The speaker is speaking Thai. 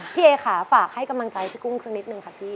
พี่เอขาฝากให้กำลังใจพี่กุ้งสักนิดนึงครับพี่